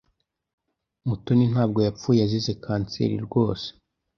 Mutoni ntabwo yapfuye azize kanseri rwose.